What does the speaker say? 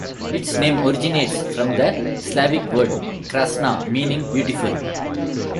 Its name originates from the Slavic word "krasna," meaning "beautiful".